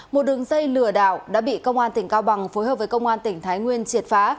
một đường dây lừa đảo đã bị công an tỉnh cao bằng phối hợp với công an tỉnh thái nguyên triệt phá